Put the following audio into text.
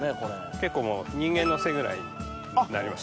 結構人間の背ぐらいになります。